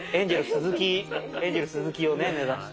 エンジェル鈴木を目指して。